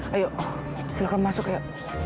ayo silahkan masuk ya